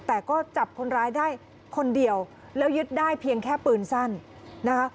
แต่ก็จับคนร้ายได้คนเดียวแล้วยึดได้เพียงแค่ปืนสั้นนะคะ